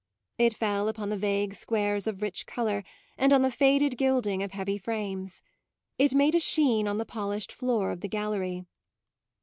It fell upon the vague squares of rich colour and on the faded gilding of heavy frames; it made a sheen on the polished floor of the gallery.